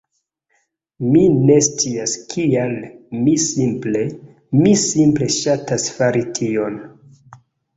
Mi ne scias kial, mi simple, mi simple ŝatas fari tion.